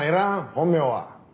本名は？